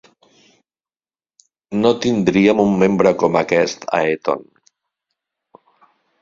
No tindríem un membre com aquest a Eton.